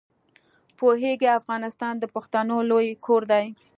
پوهېږې افغانستان د پښتنو لوی کور دی.